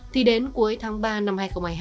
thì đến cuối tháng ba năm hai nghìn hai mươi hai